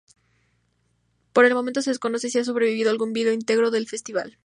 Por el momento se desconoce si ha sobrevivido algún vídeo integro del festival.